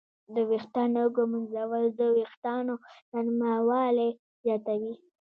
د ویښتانو ږمنځول د وېښتانو نرموالی زیاتوي.